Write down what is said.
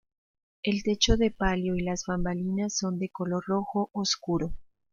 El techo de palio y las bambalinas son de color rojo oscuro.